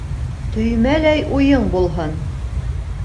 Төймәләй уйың булһын.